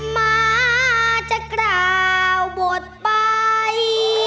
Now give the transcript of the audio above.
มาจะกล่าวบทไป